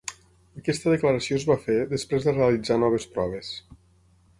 Aquesta declaració es fa fer després de realitzar noves proves.